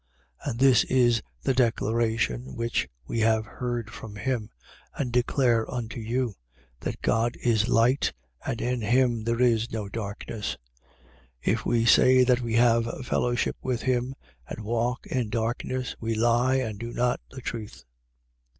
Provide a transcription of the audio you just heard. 1:5. And this is the declaration which we have heard from him and declare unto you: That God is light and in him there is no darkness. 1:6. If we say that we have fellowship with him and walk in darkness, we lie and do not the truth.